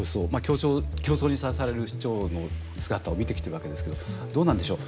競争にさらされる市長の姿を見てきてるわけですけどどうなんでしょう。